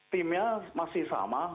timnya masih sama